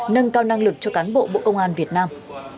nâng cao năng lực cho cán bộ bộ công an việt nam